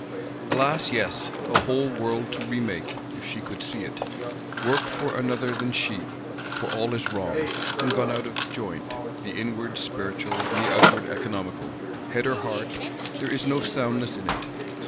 Alas, yes! a whole world to remake, if she could see it; work for another than she! For all is wrong, and gone out of joint; the inward spiritual, and the outward economical; head or heart, there is no soundness in it.